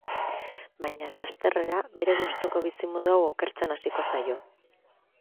Baina lasterrera bere gustuko bizimodu hau okertzen hasiko zaio.